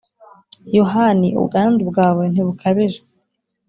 yohani, ubwandu bwawe ntibukabije.